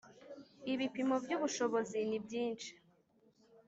Ibipimo by’ ubushobozi nibyishi.